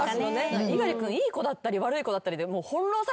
猪狩君いい子だったり悪い子だったりで翻弄されてるよ。